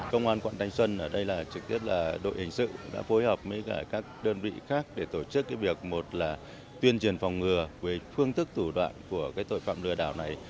công an quận thanh xuân ở đây là trực tiếp là đội hình sự đã phối hợp với các đơn vị khác để tổ chức việc một là tuyên truyền phòng ngừa về phương thức thủ đoạn của tội phạm lừa đảo này